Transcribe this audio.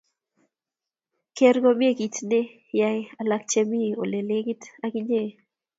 Ker komie kit ne yaei alak che mi ole lekit ak inye